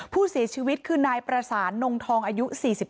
ผู้เสียชีวิตคือนายประสานนงทองอายุ๔๗